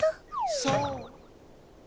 そう。